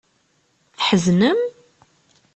Tḥeznem?